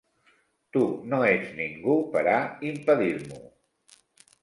Tu no ets ningú per a impedir-m'ho.